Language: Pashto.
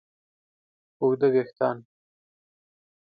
اوږده وېښتیان